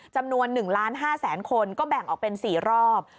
จำนวน๑๕๐๐๐คนก็แบ่งออกเป็น๔รอบ